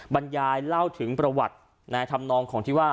บรรยายเล่าถึงประวัติในธรรมนองของที่ว่า